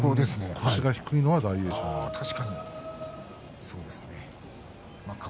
腰が低いのは大栄翔です。